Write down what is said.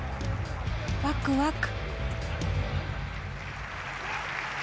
ワクワク！